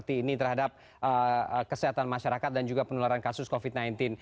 ini terhadap kesehatan masyarakat dan juga penularan kasus covid sembilan belas